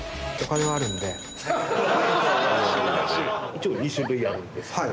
一応２種類あるんですけど。